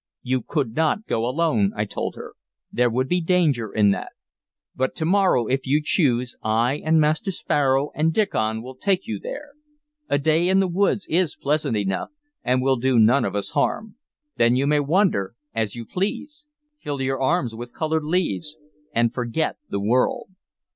"You could not go alone," I told her. "There would be danger in that. But to morrow, if you choose, I and Master Sparrow and Diccon will take you there. A day in the woods is pleasant enough, and will do none of us harm. Then you may wander as you please, fill your arms with colored leaves, and forget the world.